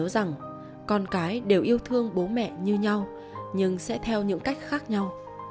bạn phải nhớ rằng con cái đều yêu thương bố mẹ như nhau nhưng sẽ theo những cách khác nhau